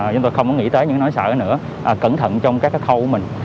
chúng tôi không nghĩ tới những nỗi sợ nữa cẩn thận trong các khâu của mình